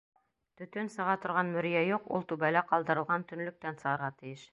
Төтөн сыға торған мөрйә юҡ, ул түбәлә ҡалдырылған төнлөктән сығырға тейеш.